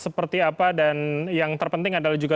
seperti apa dan yang terpenting adalah juga